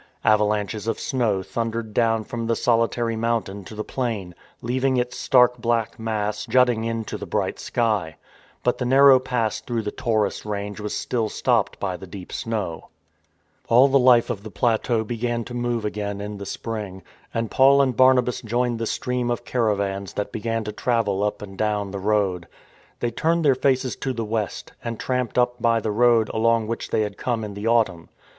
Avalanches of snow thundered down from the solitary mountain to the plain, leaving its stark black mass jutting into the bright sky. But the narrow pass through the Taurus range was still stopped by the deep snow. All the life of the plateau began to move again in PAUL AND BARNABAS TRAVELLING ON THE PLATEAU " From Iconium they trudged over the ridge." THE RETURN JOURNEY 151 the spring, and Paul and Barnabas joined the stream of caravans that began to travel up and down the road. They turned their faces to the west, and tramped up by the road along which they had come in the autumn.